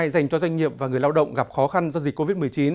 dành cho doanh nghiệp và người lao động gặp khó khăn do dịch covid một mươi chín